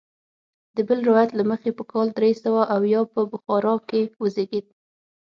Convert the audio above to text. د بل روایت له مخې په کال درې سوه اویا په بخارا کې وزیږېد.